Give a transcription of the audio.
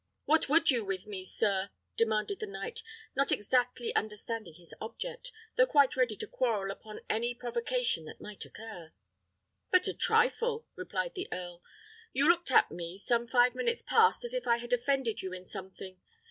"What would you with me, sir?" demanded the knight, not exactly understanding his object, though quite ready to quarrel upon any provocation that might occur. "But a trifle," replied the earl. "You looked at me some five minutes past as if I had offended you in something.